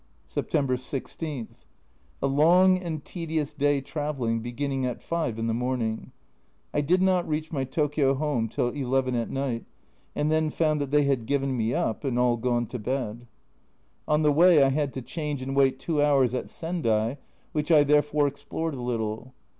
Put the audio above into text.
September 16. A long and tedious day travelling, beginning at 5 in the morning. I did not reach my Tokio home till 1 1 at night, and then found that they had given me up and all gone to bed. On the A Journal from Japan 31 way I had to change and wait two hours at Sendai, which I therefore explored a little.